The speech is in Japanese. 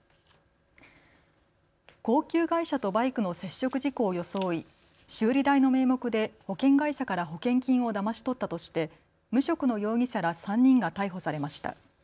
高級外車とバイクの接触事故を装い、修理代の名目で保険会社から保険金をだまし取ったとして無職の容疑者ら３人が逮捕されました。